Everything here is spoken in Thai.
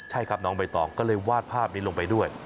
ใช่ครับน้องใบตองก็เลยวาดภาพนี้ลงไปด้วย